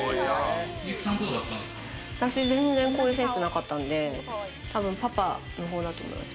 私は全然こういうセンスなかったんで多分パパの方だと思います。